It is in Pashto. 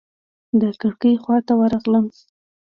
د کړکۍ خواته ورغلم.